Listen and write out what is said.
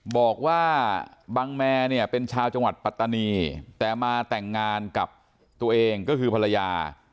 บอกว่าบังแมเนี่ยเป็นชาวจังหวัดปัตตานีแต่มาแต่งงานกับตัวเองก็คือภรรยา